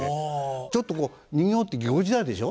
ちょっとこう人形ってぎこちないでしょ。